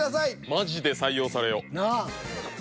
マジで採用されよ。なあ。